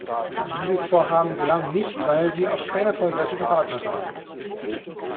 Dieses Vorhaben gelang nicht, weil sie auf keine vollwertigen Partner trafen.